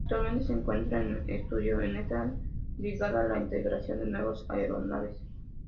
Actualmente se encuentra en estudio en esta brigada la integración de nuevas aeronaves.